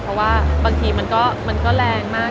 เพราะว่าบางทีมันก็แรงมาก